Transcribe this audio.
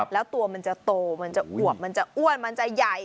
แล้วตัวมันจะโตมันจะอวบมันจะอ้วนมันจะใหญ่